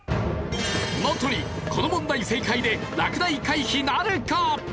この問題正解で落第回避なるか！？